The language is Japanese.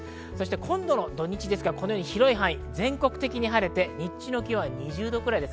今度の土日は広い範囲、全国的に晴れて日中の気温は２０度くらいです。